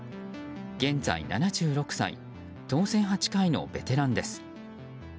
現在７６歳当選８回のベテランです。